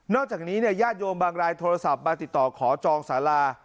จากนี้เนี่ยญาติโยมบางรายโทรศัพท์มาติดต่อขอจองสารา